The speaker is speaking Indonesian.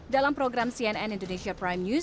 dalam program cnn indonesia prime news